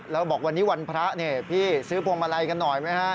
แล้วบอกวันนี้วันพระเนี่ยพี่ซื้อพวงมาลัยกันหน่อยไหมฮะ